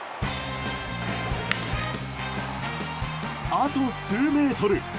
あと数メートル！